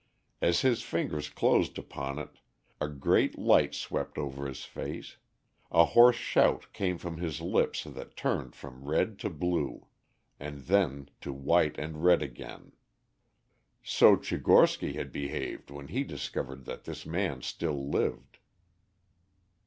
As his fingers closed upon it a great light swept over his face; a hoarse shout came from lips that turned from red to blue, and then to white and red again. So Tchigorsky had behaved when he discovered that this man still lived.